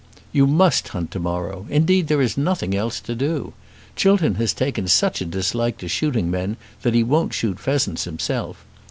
"You must hunt to morrow. Indeed there is nothing else to do. Chiltern has taken such a dislike to shooting men, that he won't shoot pheasants himself.